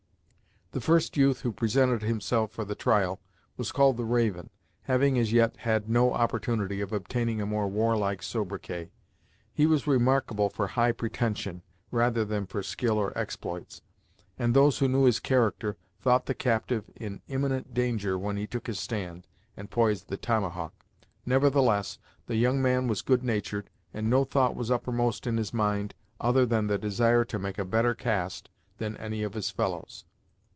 The first youth who presented himself for the trial was called The Raven, having as yet had no opportunity of obtaining a more warlike sobriquet. He was remarkable for high pretension, rather than for skill or exploits, and those who knew his character thought the captive in imminent danger when he took his stand, and poised the tomahawk. Nevertheless, the young man was good natured, and no thought was uppermost in his mind other than the desire to make a better cast than any of his fellows.